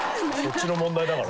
そっちの問題だから。